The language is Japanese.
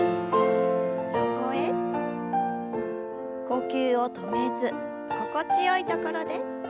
呼吸を止めず心地よいところで。